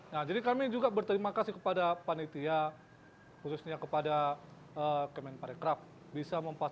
nah jadi kami juga berterima kasih kepada panitia khususnya kepada kemen parekraft